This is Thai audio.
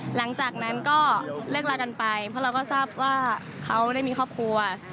หลังจากนั้นก็เลิกลากันไปเพราะเราก็ทราบว่าเขาได้มีครอบครัว